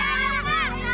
selamat siang siapa ya